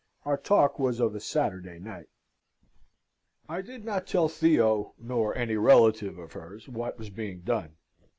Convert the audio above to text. Our talk was of a Saturday night.... I did not tell Theo, nor any relative of hers, what was being done.